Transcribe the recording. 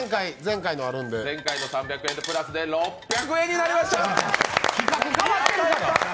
前回の３００円のプラスで６００円になりました。